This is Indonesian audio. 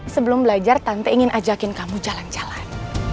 sebelum belajar tante ingin ajakin kamu jalan jalan